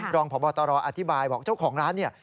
รองพบตรอธิบายบอกเจ้าของร้านเนี่ย